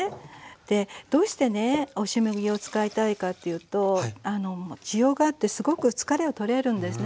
でどうしてね押し麦を使いたいかというと滋養があってすごく疲れを取れるんですね